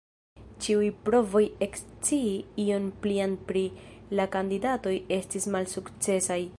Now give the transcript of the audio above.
Ĉiuj provoj ekscii ion plian pri la kandidatoj estis malsukcesaj.